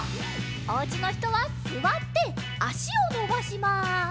おうちのひとはすわってあしをのばします。